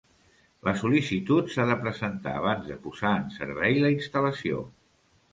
La sol·licitud s'ha de presentar abans de posar en servei la instal·lació.